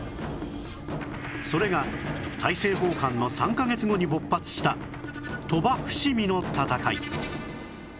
それが大政奉還の３カ月後に勃発した鳥羽・伏見の戦い